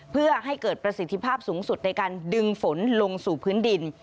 เพื่อให้เกิดประสิทธิภาพสูงสุดในการดึงฝนลงสู่พื้นดิน